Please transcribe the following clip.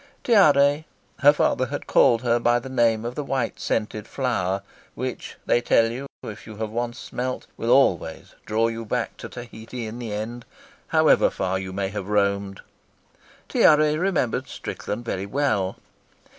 Tiare her father had called her by the name of the white, scented flower which, they tell you, if you have once smelt, will always draw you back to Tahiti in the end, however far you may have roamed Tiare remembered Strickland very well.